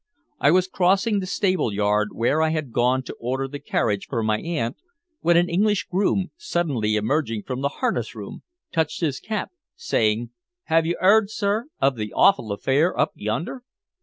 I was crossing the stable yard where I had gone to order the carriage for my aunt, when an English groom, suddenly emerging from the harness room, touched his cap, saying "Have you 'eard, sir, of the awful affair up yonder?"